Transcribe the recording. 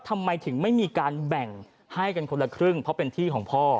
ทำไมถึงไม่มีการแบ่งให้กันคนละครึ่งเพราะเป็นที่ของพ่อ